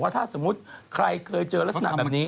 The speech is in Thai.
ว่าถ้าใครเคยเจอลักษณะแบบนี้